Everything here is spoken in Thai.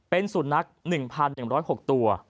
เป็นสุนัข๑๑๐๖ตัว